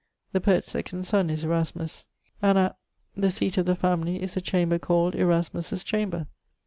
The poet's second sonne is Erasmus. And at ..., the seate of the family, is a chamber called 'Erasmus's chamber.'